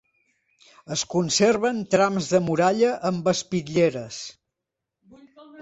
Es conserven trams de muralla amb espitlleres.